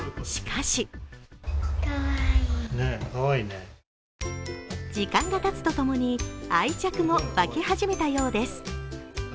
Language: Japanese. しかし時間がたつとともに、愛着も湧き始めたようです。